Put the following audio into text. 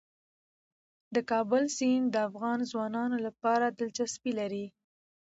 د کابل سیند د افغان ځوانانو لپاره دلچسپي لري.